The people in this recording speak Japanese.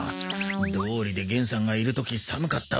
どおりで玄さんがいる時寒かったわけだ。